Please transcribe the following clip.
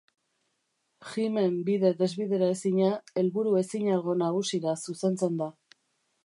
Jimen bide desbideraezina helburu ezinago nagusira zuzentzen da.